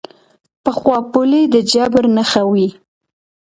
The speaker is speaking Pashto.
پخوا پولې د جبر نښه وې.